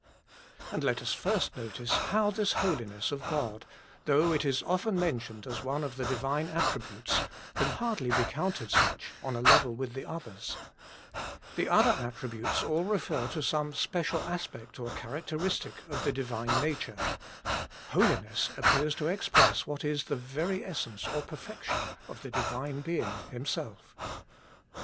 And let us first notice how this Holiness of God, though it is often mentioned as one of the Divine THE HOLY ONE OF ISRAEL. 101 attributes, can hardly be counted such, on a level with the others. The other attributes all refer to some special aspect or characteristic of the Divine Nature ; Holiness appears to express what is the very essence or perfection of the Divine Being Himself.